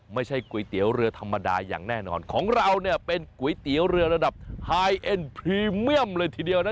ก๋วยเตี๋ยวเรือธรรมดาอย่างแน่นอนของเราเนี่ยเป็นก๋วยเตี๋ยวเรือระดับไฮเอ็นพรีเมียมเลยทีเดียวนะ